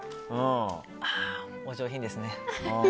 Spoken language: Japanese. お上品ですね。